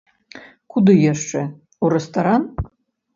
Куды яшчэ, у рэстаран?